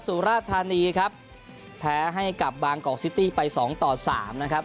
สุราธานีครับแพ้ให้กับบางกอกซิตี้ไปสองต่อสามนะครับ